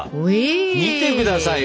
見てくださいよ！